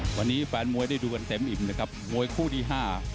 วันนี้แฟนมวยได้ดูกันเต็มอิ่มนะครับมวยคู่ที่ห้า